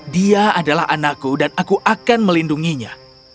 dia adalah anakku dan aku akan melindunginya